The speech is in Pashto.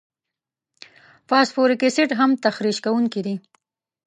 فاسفوریک اسید هم تخریش کوونکي دي.